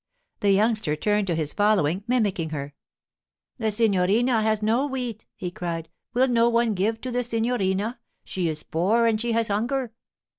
The youngster turned to his following, mimicking her. 'The signorina has no wheat,' he cried. 'Will no one give to the signorina? She is poor and she has hunger.